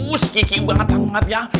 aduh sikikik banget sangat ya